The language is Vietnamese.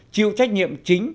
chịu trách nhiệm chính